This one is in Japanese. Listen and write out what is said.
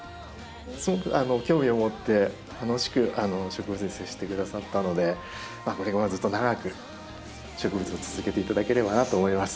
すごく興味を持って楽しく植物に接してくださったのでこれからもずっと長く植物を続けていただければなと思います。